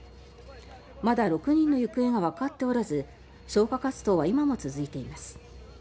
まだ６人の行方がわかっておらず消火活動は今も続いています。